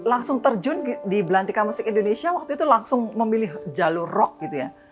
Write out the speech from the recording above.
langsung terjun di belantika musik indonesia waktu itu langsung memilih jalur rock gitu ya